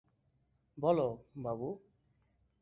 বল, বাবু।